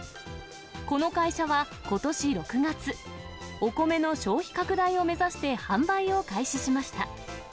この会社は、ことし６月、お米の消費拡大を目指して、販売を開始しました。